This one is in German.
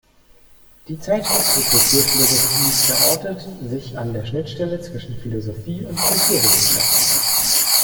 Die Zeitschrift für Kulturphilosophie verortet sich an der Schnittstelle zwischen Philosophie und Kulturwissenschaften.